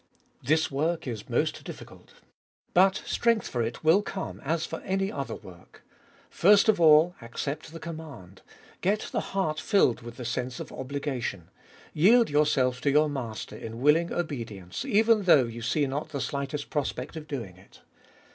1. This work is most difficult. But strength for it will come as for any other work. First of all, accept the command ; get the heart filed with the sense of obligation ; yield yourself to your Master in willing obedience, even though you see not the slightest prospect of doing it.